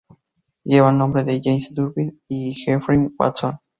Lleva el nombre de James Durbin y Geoffrey Watson.